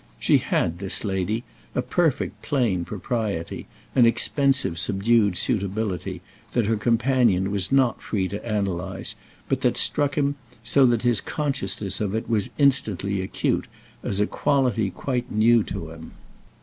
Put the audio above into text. She had, this lady, a perfect plain propriety, an expensive subdued suitability, that her companion was not free to analyse, but that struck him, so that his consciousness of it was instantly acute, as a quality quite new to him.